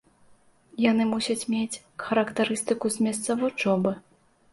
Яны мусяць мець характарыстыку з месца вучобы.